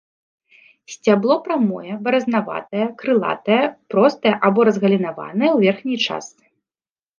Сцябло прамое, баразнаватае, крылатае, простае або разгалінаванае ў верхняй частцы.